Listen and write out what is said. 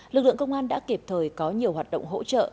lực lượng công an đã kịp thời có nhiều hoạt động hỗ trợ